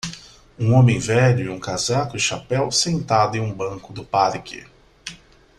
Um homem velho em um casaco e chapéu sentado em um banco do parque.